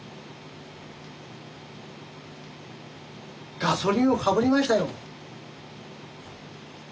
ガソリンをかぶりましたよ。